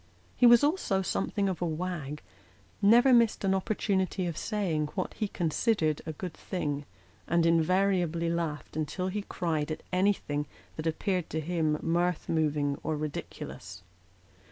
He was also something of a wag ; never missed an opportunity of saying what he considered a good thing, and invariably laughed until he cried at anything that appeared to him mirth moving or ridiculous.